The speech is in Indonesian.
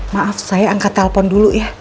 maaf saya angkat telpon dulu ya